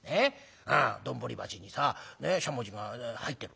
丼鉢にさしゃもじが入ってる。